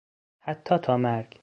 حتی تا مرگ